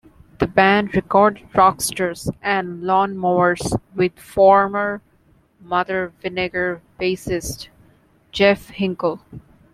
The band recorded Rockstars and Lawnmowers with former Mother Vinegar bassist Jeff Hinkle.